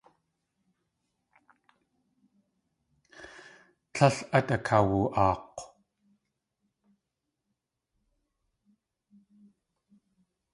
Tlél át akawu.aak̲w.